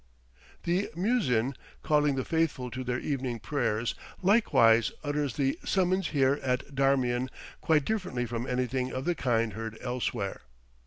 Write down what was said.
The muezzin, calling the faithful to their evening prayers, likewise utters the summons here at Darmian quite differently from anything of the kind heard elsewhere.